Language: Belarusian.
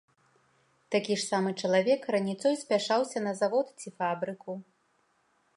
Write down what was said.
Такі ж самы чалавек раніцой спяшаўся на завод ці фабрыку.